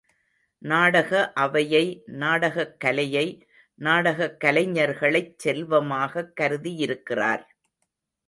நாடக அவையை, நாடகக்கலையை, நாடகக் கலைஞர்களைச் செல்வமாகக் கருதியிருக்கிறார்.